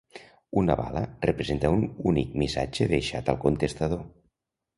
Un bala representa un únic missatge deixat al contestador.